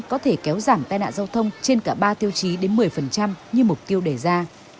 có thể kéo giảm tai nạn giao thông trên cả ba tiêu chí đến một mươi như mục tiêu đề ra